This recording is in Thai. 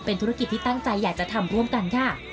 ธุรกิจที่ตั้งใจอยากจะทำร่วมกันค่ะ